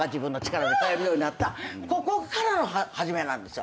ここからの始まりなんです。